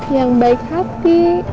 yang baik hati